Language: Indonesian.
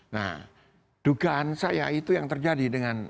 nah dugaan saya itu yang terjadi dengan